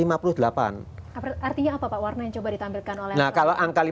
artinya apa pak warna yang coba ditampilkan oleh